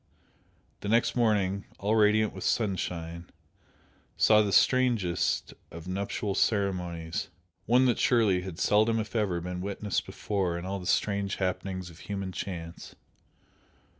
The next morning, all radiant with sunshine, saw the strangest of nuptial ceremonies, one that surely had seldom, if ever, been witnessed before in all the strange happenings of human chance.